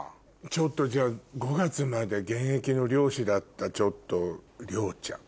ちょっとじゃ５月まで現役の漁師だったちょっと遼ちゃん。